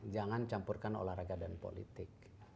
jangan campurkan olahraga dan politik